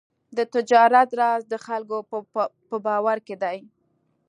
د تجارت راز د خلکو په باور کې دی.